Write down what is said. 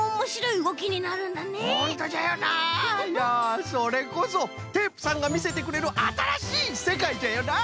いやそれこそテープさんがみせてくれるあたらしいせかいじゃよな！